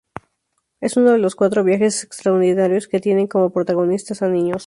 Es uno de los cuatro viajes extraordinarios que tienen como protagonistas a niños.